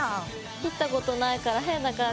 切ったことないから変な感じする。